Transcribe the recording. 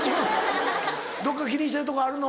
どっか気にしてるとこあるの？